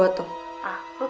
ya papa mau kembali ke rumah